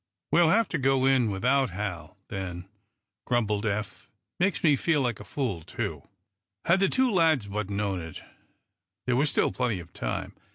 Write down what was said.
"We'll have to go in without Hal, then," grumbled Eph. "It makes me feel like a fool, too!" Had the two lads but known it, there was still plenty of time.